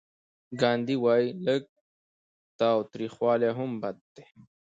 ګاندي وايي لږ تاوتریخوالی هم بد دی.